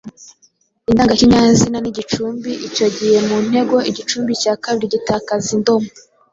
indangakinyazina n’igicumbi, icyo gihe mu ntego igice cya kabiri gitakaza indomo.